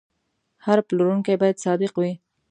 هر پلورونکی باید صادق وي.